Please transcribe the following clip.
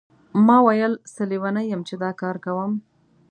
ما ویل څه لیونی یم چې دا کار کوم.